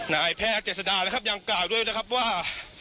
นายแพทย์เจษดานะครับยังกล่าวด้วยนะครับว่า